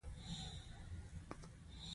د غټو وړو ډله په سندرو له کلي روانه وه.